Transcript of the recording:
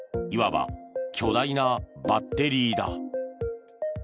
いわば巨大なバッテリーだ。